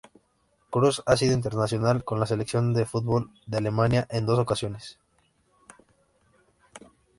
Kruse ha sido internacional con la selección de fútbol de Alemania en dos ocasiones.